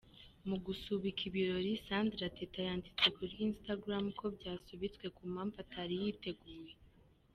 Mu gusubika ibirori, Sandra Teta yanditse kuri Instagram ko ‘byasubitswe ku mpamvu atari yiteguye’.